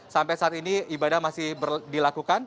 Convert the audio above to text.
sampai saat ini ibadah masih dilakukan